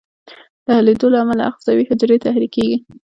د حلېدو له امله آخذوي حجرې تحریکیږي.